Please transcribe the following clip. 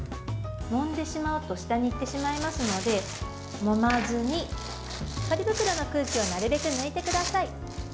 もんでしまうと下に行ってしまいますのでもまずにポリ袋の空気をなるべく抜いてください。